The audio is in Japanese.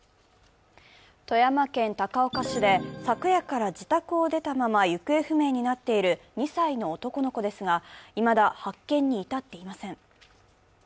富山県高岡市で昨夜から自宅を出たまま行方不明になっている２歳の男の子ですが、いまだ、発見に至っていません。